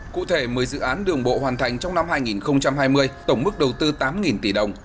cụ thể một mươi dự án đường bộ hoàn thành trong năm hai nghìn hai mươi tổng mức đầu tư tám tỷ đồng